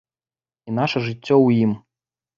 І наша жыццё ў ім.